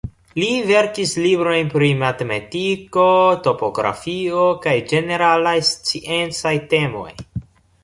Li verkis librojn pri matematiko, topografio kaj ĝeneralaj sciencaj temoj.